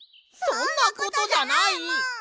そんなことじゃないもん！